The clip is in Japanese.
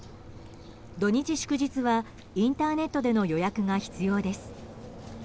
土日祝日はインターネットでの予約が必要です。